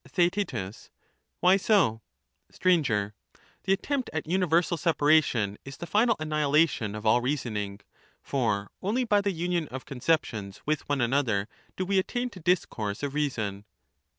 TheaeU Why so ? Sir. The attempt at universal separation is the final anni 260 hilation of all reasoning ; for only by the union of conceptions with one another do we attain to discourse of reason.